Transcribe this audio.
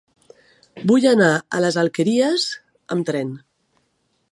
Vull anar a les Alqueries amb tren.